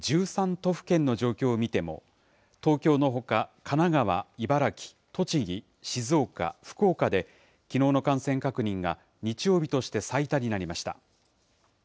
都府県の状況を見ても、東京のほか、神奈川、茨城、栃木、静岡、福岡できのうの感染確認が日曜日として最多になりました。